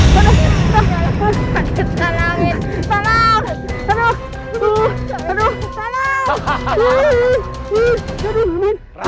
terima kasih banyak bahwa kita semen puedes melewati coordinate